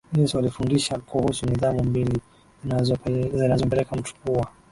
Yesu alifundisha kuhusu nidhamu mbili zinazompelekea mtu kuwa